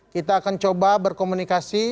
kita akan coba berkomunikasi